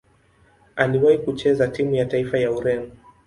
Aliwahi kucheza timu ya taifa ya Ureno.